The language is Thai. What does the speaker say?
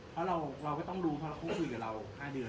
เพราะเราก็ต้องรู้เพราะเขาคุยกับเรา๕เดือน